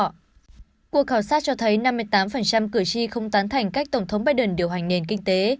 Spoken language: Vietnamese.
cuộc khảo sát cho thấy năm mươi tám cử tri không tán thành cách tổng thống biden điều hành nền kinh tế